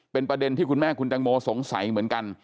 เป็นประเด็นที่คุณแม่คุณแตงโมสงสัยเหมือนกัน